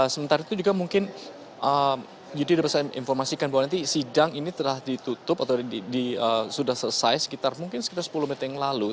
sementara itu juga mungkin yudi dapat saya informasikan bahwa nanti sidang ini telah ditutup atau sudah selesai sekitar mungkin sekitar sepuluh menit yang lalu